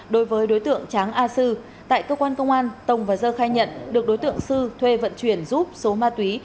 đối với đối tượng tráng a sư tại cơ quan công an tổng và dơ khai nhận được đối tượng sư thuê vận chuyển giúp số ma túy